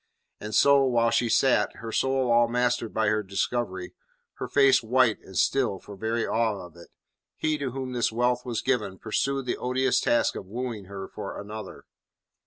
And so, while she sat, her soul all mastered by her discovery, her face white and still for very awe of it, he to whom this wealth was given, pursued the odious task of wooing her for another.